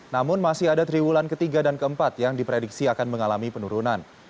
namun masih ada triwulan ke tiga dan ke empat yang diprediksi akan mengalami penurunan